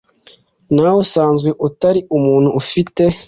Nawe usanzwe utari umuntu ufite